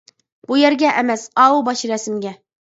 بۇ يەرگە ئەمەس ئاۋۇ باش رەسىمىگە.